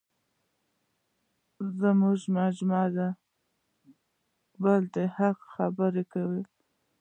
موږ مجموعاً د بل په حق کې خبرې کوو.